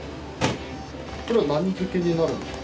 これは何漬けになるんですか？